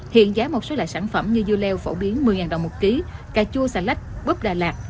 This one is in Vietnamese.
hiện giá một số loại sản phẩm như dưa leo phổ biến một mươi đồng một ký cà chua xà lách búp đà lạt